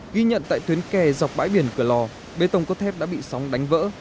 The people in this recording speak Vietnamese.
ghi nhận tại tuyến kè dọc bãi biển cửa lò bê tông cốt thép đã bị sóng đánh vỡ